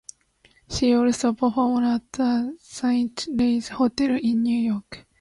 She also performed at the Saint Regis Hotel in New York.